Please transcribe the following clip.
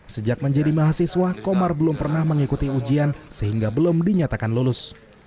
sejak menjadi mahasiswa komar belum pernah mengikuti ujian sehingga belum dinyatakan lulus